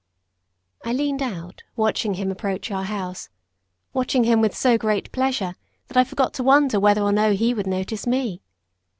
I leaned out, watching him approach our house; watching him with so great pleasure that I forgot to wonder whether or no he would notice me.